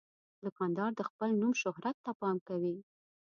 دوکاندار د خپل نوم شهرت ته پام کوي.